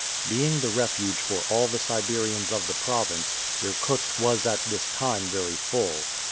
Being the refuge for all the Siberians of the province, Irkutsk was at this time very full.